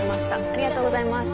ありがとうございます。